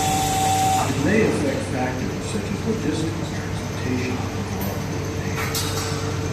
It may affect factors such as logistics, transportation, and overall coordination.